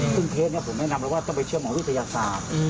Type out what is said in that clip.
ซึ่งเพศผมแนะนำเราว่าต้องไปเชื่อหมอรู้ทัยศาสตร์